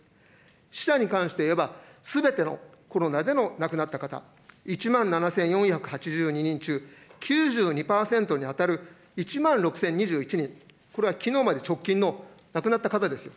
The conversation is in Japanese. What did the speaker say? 死者に関して言えば、すべてのコロナでの亡くなった方、１万７４８２人中９２％に当たる１万６０２１人、これはきのうまで直近の亡くなった方です。